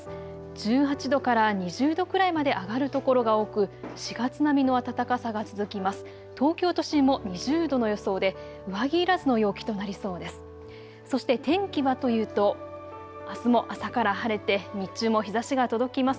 １８度から２０度くらいまで上がる所が多く４月並みの暖かさが続きます。